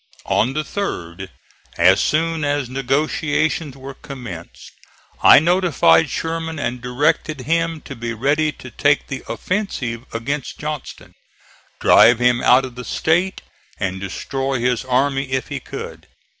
On the third, as soon as negotiations were commenced, I notified Sherman and directed him to be ready to take the offensive against Johnston, drive him out of the State and destroy his army if he could.